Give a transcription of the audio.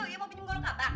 iya mau pinjam golongan apa